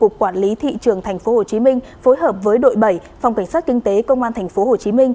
cục quản lý thị trường tp hcm phối hợp với đội bảy phòng cảnh sát kinh tế công an tp hcm